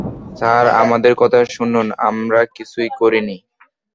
Sir, আমাদের কথা শুনুন, আমরা কিছুই করিনি।